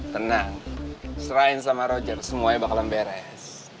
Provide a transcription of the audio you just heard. tenang strine sama roger semuanya bakalan beres